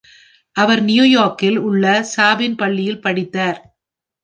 அவர் New யார்க்கில் உள்ள Chapin பள்ளியில் படித்தார்.